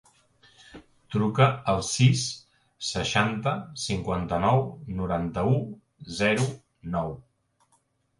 Truca al sis, seixanta, cinquanta-nou, noranta-u, zero, nou.